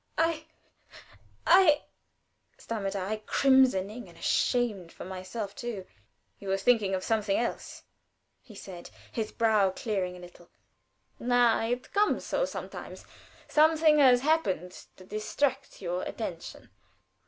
"I I," stammered I, crimsoning, and ashamed for myself too. "You were thinking of something else," he said, his brow clearing a little. "Na! it comes so sometimes. Something has happened to distract your attention.